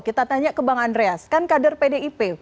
kita tanya ke bang andreas kan kader pdip